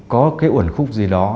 có cái ổn khúc gì đó